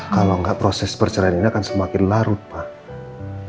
kalau enggak proses perceraian ini akan semakin larut pak